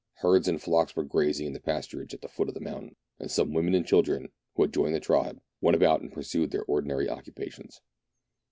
Herds and flocks were grazing in the pasturages at the foot of the mountain, and some women and children, who had joined the tribe, went about and pursued their ordinary occu pations.